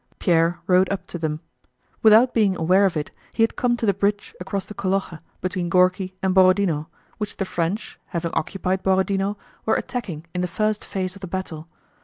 Pierre rode up to them. Without being aware of it he had come to the bridge across the Kolochá between Górki and Borodinó, which the French (having occupied Borodinó) were attacking in the first phase of the battle.